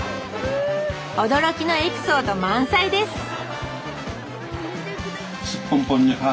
驚きのエピソード満載です！